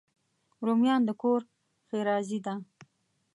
رومیان د کور ښېرازي ده